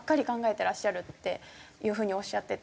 てらっしゃるっていう風におっしゃっていて。